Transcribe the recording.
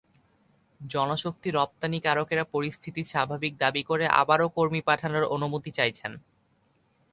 জনশক্তি রপ্তানিকারকেরা এখন পরিস্থিতি স্বাভাবিক দাবি করে আবারও কর্মী পাঠানোর অনুমতি চাইছেন।